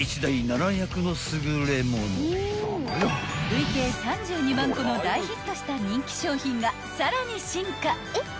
［累計３２万個の大ヒットした人気商品がさらに進化］